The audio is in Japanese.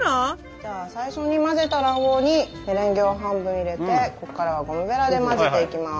じゃあ最初に混ぜた卵黄にメレンゲを半分入れてここからはゴムベラで混ぜていきます。